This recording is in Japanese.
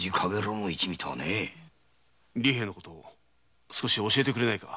利平のこと少し教えてくれないか？